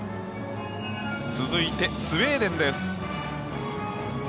続いて、スウェーデンです。